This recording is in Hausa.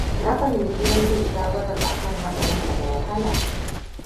Na fahimci yanke shawarar akan haka yana da wahala.